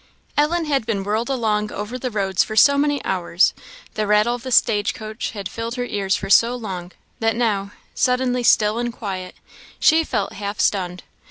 Ellen had been whirled along over the roads for so many hours the rattle of the stage coach had filled her ears for so long that now, suddenly still and quiet, she felt half stunned.